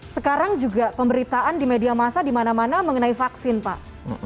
sekarang juga pemberitaan di media masa di mana mana mengenai vaksin pak